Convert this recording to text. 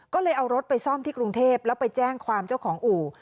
ก็เลยเอารถไปซ่อมที่กรุงเทพแล้วไปแจ้งความเจ้าของอู่